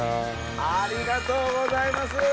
ありがとうございます！